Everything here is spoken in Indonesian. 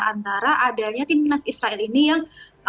antara adanya timnas israel ini yang